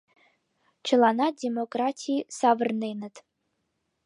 Чыланат демократий савырненыт.